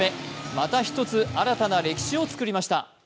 また一つ新たな歴史を作りました。